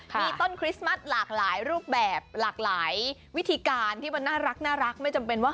มีต้นคริสต์มัสหลากหลายรูปแบบหลากหลายวิธีการที่มันน่ารักไม่จำเป็นว่า